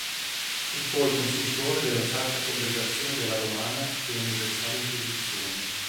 Fu poi consultore della Sacra Congregazione della Romana e Universale Inquisizione.